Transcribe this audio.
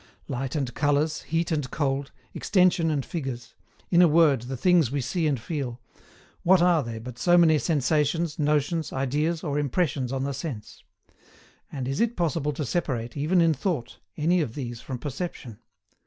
Light and colours, heat and cold, extension and figures in a word the things we see and feel what are they but so many sensations, notions, ideas, or impressions on the sense? and is it possible to separate, even in thought, any of these from perception?